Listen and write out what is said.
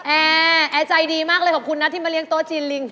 แอร์แอร์ใจดีมากเลยขอบคุณนะที่มาเลี้ยโต๊ะจีนลิง